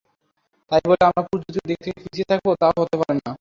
তাই বলে আমরা প্রযুক্তির দিক থেকে পিছিয়ে থাকব, তা-ও হতে পারে না।